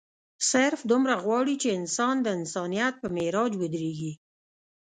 صرف دومره غواړي چې انسان د انسانيت پۀ معراج اودريږي